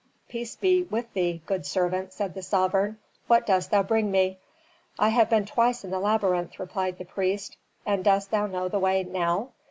"Peace be with thee, good servant," said the sovereign. "What dost thou bring me?" "I have been twice in the labyrinth," replied the priest. "And dost thou know the way now?"